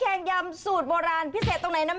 ขอให้แขนยำสูตรโบราณพิเศษตรงไหนนะแม่